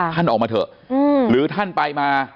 ท่านออกมาเถอะหรือท่านไปมา